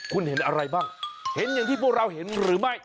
คุณเห็นอะไรบ้างเห็นอย่างที่พวกเราเห็นหรือไม่